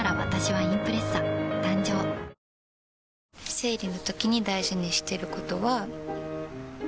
生理のときに大事にしてることは。